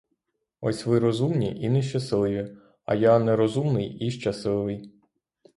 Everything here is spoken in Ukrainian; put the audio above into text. Ось ви розумні і нещасливі, а я нерозумний і щасливий.